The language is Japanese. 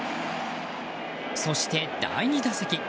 そして第２打席。